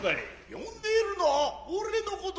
呼んでいるのは俺の事か。